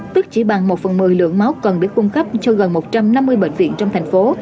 tức chỉ bằng một phần một mươi lượng máu cần để cung cấp cho gần một trăm năm mươi bệnh viện trong thành phố